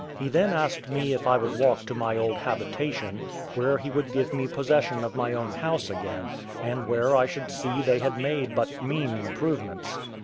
He then asked me if I would walk to my old habitation, where he would give me possession of my own house again, and where I should see they had made but mean improvements.